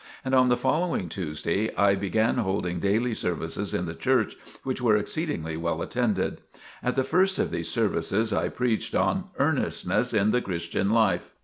And on the following Tuesday, I began holding daily services in the church, which were exceedingly well attended. At the first of these services, I preached on "Earnestness in the Christian Life."